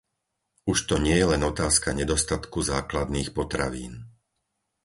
Už to nie je len otázka nedostatku základných potravín.